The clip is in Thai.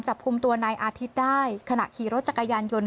จับกลุ่มตัวนายอาทิตย์ได้ขณะขี่รถจักรยานยนต์